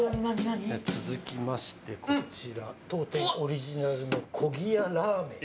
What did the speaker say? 続きまして、こちら当店オリジナルのコギヤラーメン。